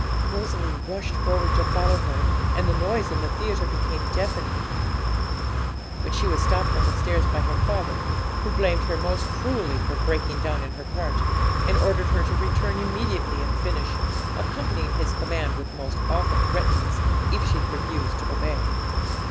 Rosalie rushed forward to follow her, and the noise in the theatre became deafening. But she was stopped on the stairs by her father, who blamed her most cruelly for breaking down in her part, and ordered her to return immediately and finish, accompanying his command with most awful threatenings if she refused to obey.